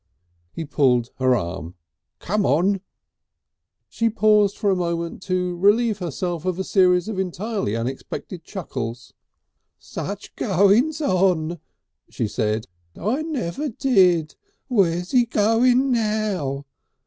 He pulled her arm. "Come on!" She paused for a moment to relieve herself of a series of entirely unexpected chuckles. "Sich goings on!" she said, "I never did! Where's he going now?"